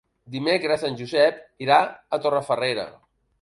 Dimecres en Josep irà a Torrefarrera.